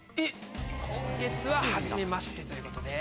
今月ははじめましてということで。